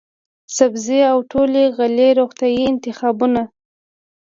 سبزۍ او ټولې غلې روغتیايي انتخابونه،